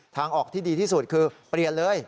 ทางออกที่ดีที่สุดคือเปลี่ยนเลย